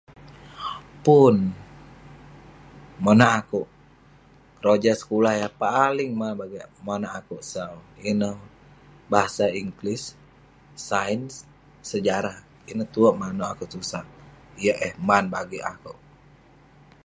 Pun. Monak akouk, keroja sekulah yah paling maan monak akouk sau ; ineh bahasa inggeris, sains, sejarah. Ineh tue manouk tusah. Yah eh man bagik akouk.